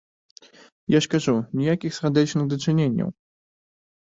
Я ж кажу, ніякіх сардэчных дачыненняў.